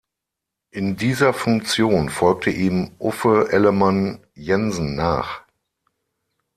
In dieser Funktion folgte ihm Uffe Ellemann-Jensen nach.